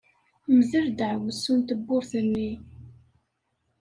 Mdel ddeɛwessu n tewwurt-nni!